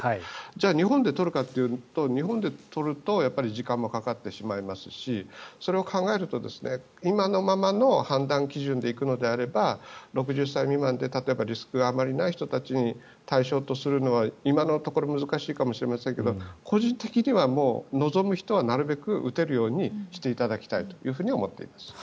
じゃあ、日本で取るかというと日本で取ると時間もかかってしまいますしそれを考えると今のままの判断基準で行くのであれば６０歳未満で、例えばリスクがあまりない人たちを対象とするのは今のところ難しいかもしれませんが個人的には、もう望む人はなるべく打てるようにしていただきたいと思っています。